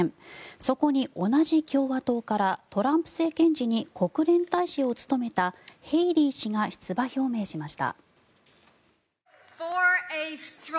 そこに同じ共和党からトランプ政権時に国連大使を務めたヘイリー氏が出馬表明しました。